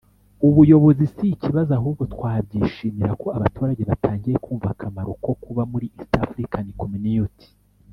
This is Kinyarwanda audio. ubuyobozi si ikibazo ahubwo twabyishimira ko abaturage batangiye kumva akamaro ko kuba muri East African Community